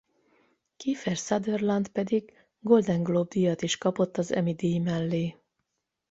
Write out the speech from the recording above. Kiefer Sutherland pedig Golden Globe díjat is kapott az Emmy-díj mellé.